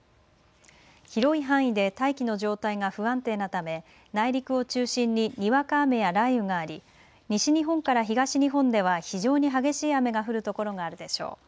広い範囲で大気の状態が不安定なため内陸を中心ににわか雨や雷雨があり西日本から東日本では非常に激しい雨が降る所があるでしょう。